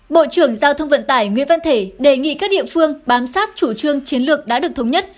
bộ trưởng giao thông vận tải nguyễn văn thể đề nghị các địa phương bám sát chủ trương chiến lược đã được thống nhất